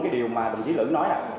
cái điều mà bà chí lữ nói nè